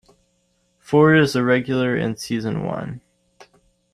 Ford is a regular in season one.